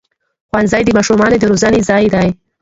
ښوونځی د ماشومانو د روزنې ځای دی